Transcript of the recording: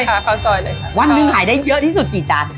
ข้าวซอยเลยค่ะวันหนึ่งขายได้เยอะที่สุดกี่จาน